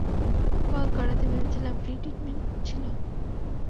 Call করাতে ভেবেছিলাম free treatment ছিল।